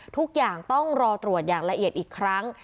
ทุกอย่างต้องรอตรวจอย่างละเอียดอีกครั้ง